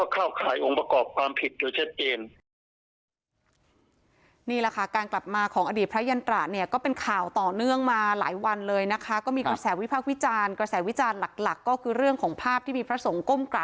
เข้าขายองค์ประกอบความผิดโดยชัดเจน